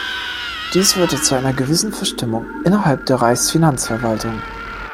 Dies führte zu einer gewissen Verstimmung innerhalb der Reichsfinanzverwaltung.